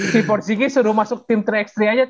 si porzingis suruh masuk tim tiga x tiga aja